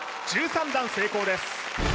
１３段成功です